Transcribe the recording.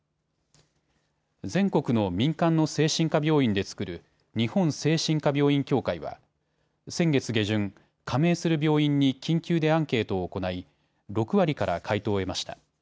全国の民間の精神科病院で作る日本精神科病院協会は先月下旬、加盟する病院に緊急でアンケートを行い、６割から回答を得ました。